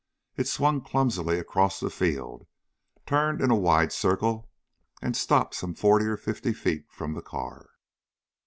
It swung clumsily across the field, turned in a wide circle, and stopped some forty or fifty feet from the car.